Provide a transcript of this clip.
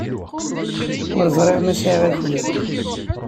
Ur ẓriɣ ma sɛiɣ akud.